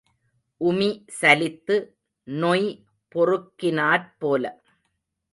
உமி சலித்து நொய் பொறுக்கினாற் போல.